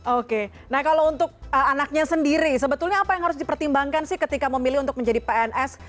oke nah kalau untuk anaknya sendiri sebetulnya apa yang harus dipertimbangkan sih ketika memilih untuk menjadi pns